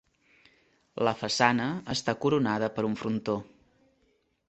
La façana està coronada per un frontó.